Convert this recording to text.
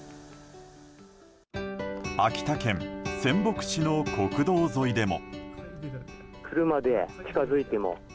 秋田県仙北市の国道沿いでも。